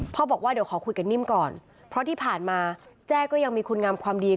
บอกว่าเดี๋ยวขอคุยกับนิ่มก่อนเพราะที่ผ่านมาแจ้ก็ยังมีคุณงามความดี